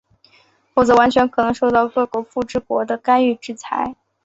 否则完全可能受到各强富之国的干预制裁。